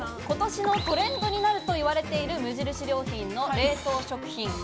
今年のトレンドになると言われている無印良品の冷凍食品。